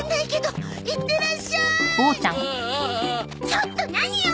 ちょっと何よ